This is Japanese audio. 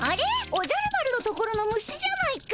おじゃる丸のところの虫じゃないか。